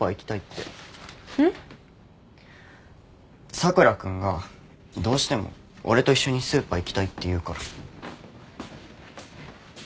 佐倉君がどうしても俺と一緒にスーパー行きたいって言うから。